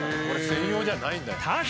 これ専用じゃないんだ。